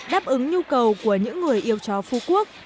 đáp ứng nhu cầu của những người yêu chó phú quốc